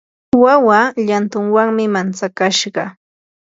wawa llantunwanmi mantsakashqa.